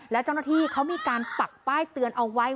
แล้วเจ้าหน้าที่เขามีการปักป้ายเตือนเอาไว้